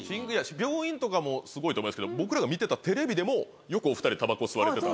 病院とかもすごいと思いますけど僕らが見てたテレビでもよくお２人たばこ吸われてた。